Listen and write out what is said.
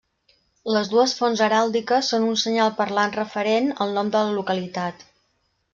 Les dues fonts heràldiques són un senyal parlant referent al nom de la localitat.